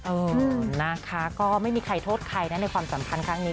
เออน่ะค่ะก็ไม่มีใครโทษใครในความสำคัญข้างนี้